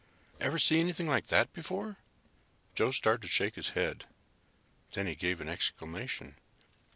"Ever see anything like that before?" Joe started to shake his head. Then he gave an exclamation.